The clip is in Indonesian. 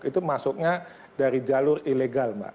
itu masuknya dari jalur ilegal mbak